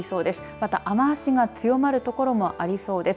また、雨足が強まる所もありそうです。